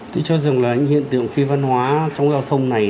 tôi cho rằng là những hiện tượng phi văn hóa trong giao thông này